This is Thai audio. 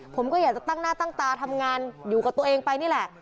ผมก็อยากจะตั้งหน้าตั้งตาทำงานอยู่กับตัวเองไปนี่แหละ